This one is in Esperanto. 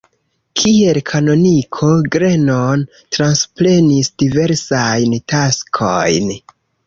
Kiel kanoniko Grenon transprenis diversajn taskojn.